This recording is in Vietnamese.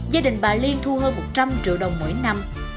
gia đình bà liên thu hơn một trăm linh triệu đồng mỗi năm